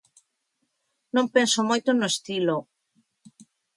Non penso moito no estilo.